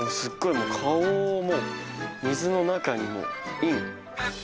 もう顔をもう水の中にもうイン。